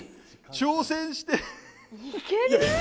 挑戦して。